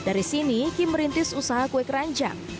dari sini kim merintis usaha kue keranjang